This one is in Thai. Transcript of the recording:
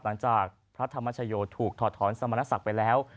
หลังจากพระธรรมชโยศิถุถอดถอนสมานสัตว์ไปแล้ว